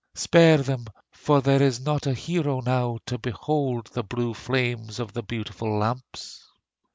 Spare them, for there is not a hero now To behold the blue flame of the beautiful lamps!